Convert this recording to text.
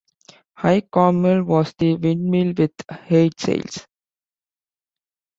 Eye Cornmill was a windmill with eight sails.